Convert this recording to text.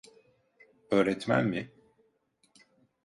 Öğretmen mi?